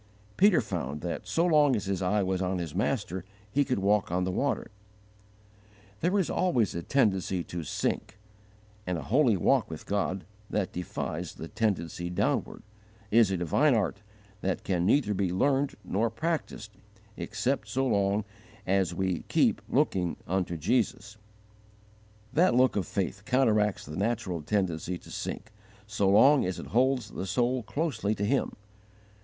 Peter found that so long as his eye was on His Master he could walk on the water. There is always a tendency to sink, and a holy walk with God, that defies the tendency downward, is a divine art that can neither be learned nor practised except so long as we keep 'looking unto Jesus': that look of faith counteracts the natural tendency to sink, so long as it holds the soul closely to Him.